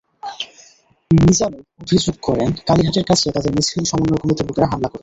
মিজানুর অভিযোগ করেন, কালিহাটের কাছে তাঁদের মিছিলে সমন্বয় কমিটির লোকেরা হামলা করে।